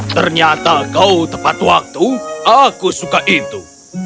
ternyata kau tepat waktu aku suka itu